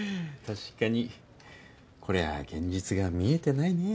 確かにこりゃ現実が見えてないね。